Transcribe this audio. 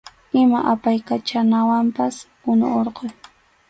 Ima apaykachanawanpas unu hurquy.